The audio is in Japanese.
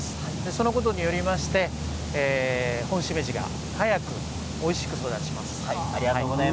そのことによりましてホンシメジが早くおいしく育ちます。